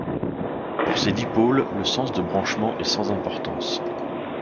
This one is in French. Pour ces dipôles, le sens de branchement est sans importance.